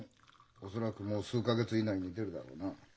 恐らくもう数か月以内に出るだろうな。